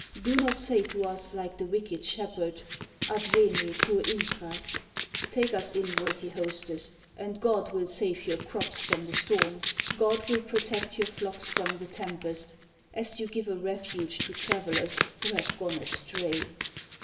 Do not say to us, like the wicked shepherd, 'Advene, cur intras?' Take us in, worthy hostess, and God will save your crops from the storm, God will protect your flocks from the tem pest, as you give a refuge to travellers who have gone astray